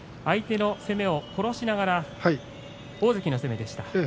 相手の攻めを殺しながら大関の攻めでした。